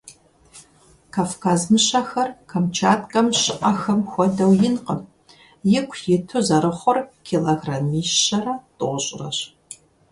Кавказ мыщэхэр Камчаткэм щыIэхэм хуэдэу инкъым - ику иту зэрыхъур килограммищэрэ тIощIрэщ.